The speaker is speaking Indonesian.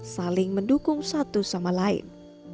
saling mendukung satu sama lain